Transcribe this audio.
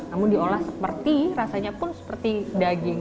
namun diolah seperti rasanya pun seperti daging